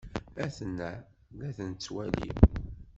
A-ten-an la ten-nettwali.